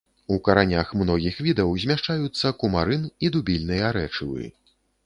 У каранях многіх відаў змяшчаюцца кумарын і дубільныя рэчывы.